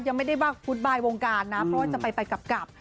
ยังไม่ได้ฟุตบายวงการนะเพราะว่าจะไปกลับ